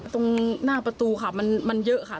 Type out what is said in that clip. ตรงหน้าประตูค่ะมันเยอะค่ะ